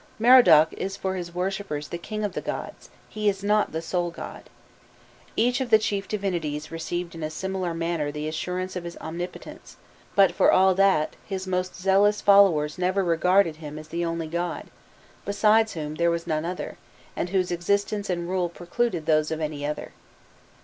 Merodach is for his worshippers the king of the gods, he is not the sole god. Each of the chief divinities received in a similar manner the assurance of his omnipotence, but, for all that, his most zealous followers never regarded them as the only God, beside whom there was none other, and whose existence and rule precluded those of any other.